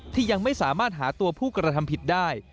ยังไม่สามารถหาตัวผู้กระทำผิดได้